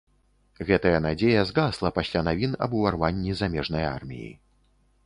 Гэтая надзея згасла пасля навін аб уварванні замежнай арміі.